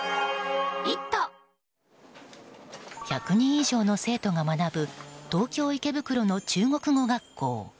１００人以上の生徒が学ぶ東京・池袋の中国語学校。